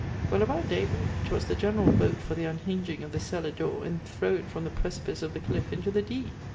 Well, about daybrake 'twas the generall vote for the unhinging of the cellar dore and throwe it from the precipice of the cliffe into the Dee.